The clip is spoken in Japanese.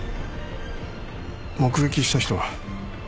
目撃した人は？